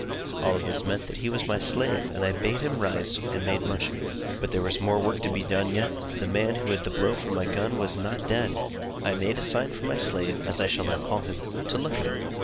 All this meant that he was my slave; and I bade him rise, and made much of him. But there was more work to be done yet; for the man who had had the blow from my gun was not dead. I made a sign for my slave (as I shall now call him) to look at him.